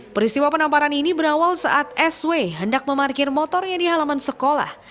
peristiwa penamparan ini berawal saat sw hendak memarkir motornya di halaman sekolah